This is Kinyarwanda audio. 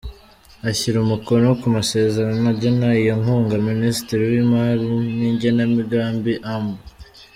Ashyira umukono ku masezerano agena iyo nkunga, Minisitiri w’Imari n’Igenamigambi, Amb.